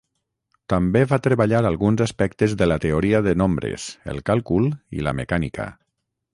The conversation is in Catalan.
També va treballar alguns aspectes de la teoria de nombres, el càlcul i la mecànica.